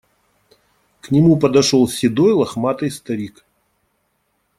К нему подошел седой лохматый старик.